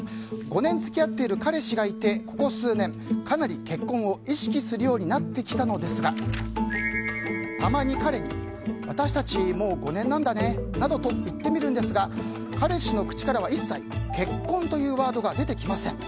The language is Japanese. ５年付き合っている彼氏がいてここ数年かなり結婚を意識するようになってきたのですがたまに彼に私たちもう５年なんだね。などと言ってみるんですが彼氏の口からは一切結婚というワードが出てきません。